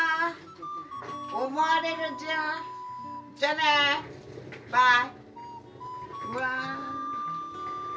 じゃあねバイ。